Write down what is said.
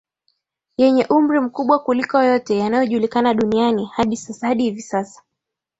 yenye umri mkubwa kuliko yote yanayojulikana duniani hadi hivi sasa